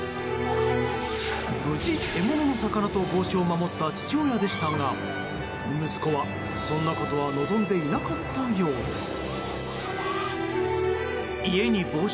無事、獲物の魚と帽子を守った父親でしたが息子は、そんなことは望んでいなかったようです。